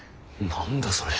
何だそれ。